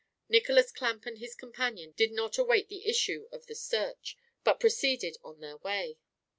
Nicholas Clamp and his companion did not await the issue of the search, but proceeded on their way.